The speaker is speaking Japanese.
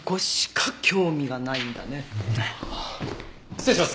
失礼します。